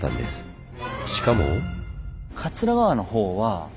しかも。